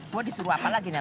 gue disuruh apa lagi nak